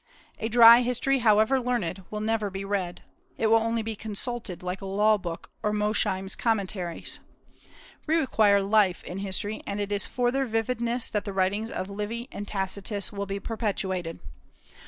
A dry history, however learned, will never be read; it will only be consulted, like a law book, or Mosheim's "Commentaries." We require life in history, and it is for their vividness that the writings of Livy and Tacitus will be perpetuated.